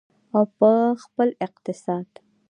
او په خپل اقتصاد.